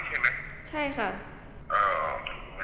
คุณพ่อได้จดหมายมาที่บ้าน